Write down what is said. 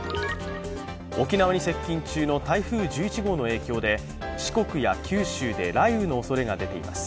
沖縄に接近中の台風１１号の影響で四国や九州で雷雨のおそれが出ています。